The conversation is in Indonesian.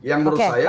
yang menurut saya